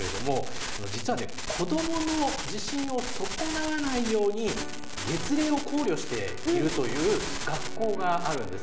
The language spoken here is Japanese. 実は子どもの自信を損なわないように月齢を考慮しているという学校があるんです。